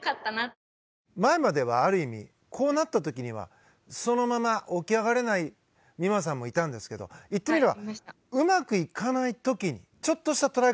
前まではある意味こうなった時にはそのまま起き上がれない美誠さんもいたんですけど言ってみれば。